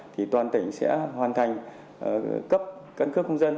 thì toàn tỉnh sẽ hoàn thành cấp căn cước công dân